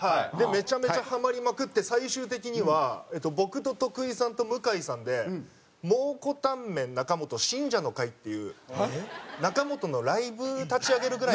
めちゃめちゃハマりまくって最終的には僕と徳井さんと向さんで「蒙古タンメン中本辛者の会」っていう中本のライブ立ち上げるぐらいまで。